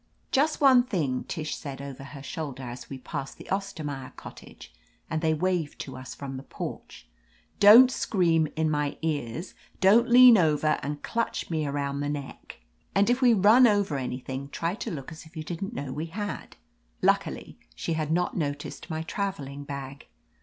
"Just one thing," Tish said over her shoul der as we passed the Ostermaier cottage, and they waved to us from the porch: "Don't scream in my ears ; don't lean over and clutch me around the neck; and if we run over any 226 OF LETITIA CARBERRY thing, try to look as if you didn't know we had." Luckily she had not noticed my traveling bag.